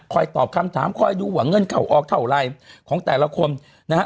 ตอบคำถามคอยดูว่าเงินเข้าออกเท่าไหร่ของแต่ละคนนะฮะ